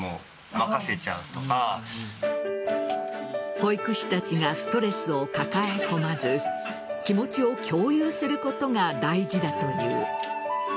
保育士たちがストレスを抱え込まず気持ちを共有することが大事だという。